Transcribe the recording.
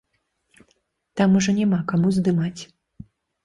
Там ужо няма каму здымаць!